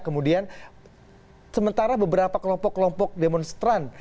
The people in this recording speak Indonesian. kemudian sementara beberapa kelompok kelompok demonstran